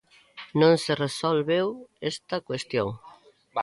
Non se resolveu esta cuestión.